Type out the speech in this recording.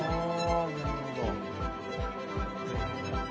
なるほど。